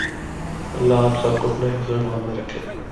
اللہ آپ سب کو اپنے حفظ و ایمان میں رکھے۔